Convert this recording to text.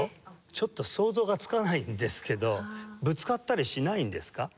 ちょっと想像がつかないんですけどぶつかったりしないんですか？